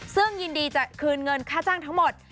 ซึ่งยินดีจะคืนเงินค่าจ้างทั้งหมด